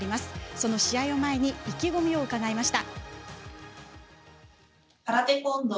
その試合を前に意気込みをひと言、伺いました。